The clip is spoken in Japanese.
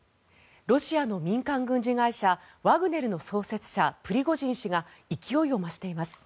ロシアの民間軍事会社ワグネルの創設者、プリゴジン氏が勢いを増しています。